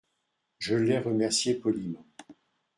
Je l’ai remercié poliment.